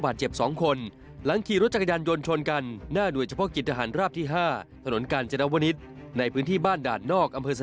บาดเจ็บสองคนหลังขี่รถจักรยนต์ยนท์ชนกันน่าโดยช่วยกิจทหารราบที่ห้าถนนการ์แจนต์วันิตในบ้านด่านนอกอำเภอ